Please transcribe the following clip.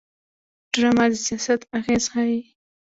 ډرامه د سیاست اغېز ښيي